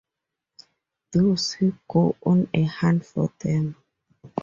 Thus, he goes on a hunt for them.